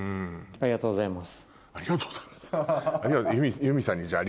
ありがとうございます。